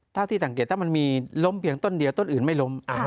เท่าที่สังเกตถ้ามันมีล้มเพียงต้นเดียวต้นอื่นไม่ล้ม